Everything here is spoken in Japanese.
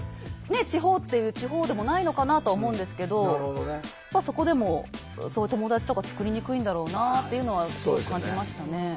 地方っていう地方でもないのかなとは思うんですけどそこでも友達とか作りにくいんだろうなっていうのはすごく感じましたね。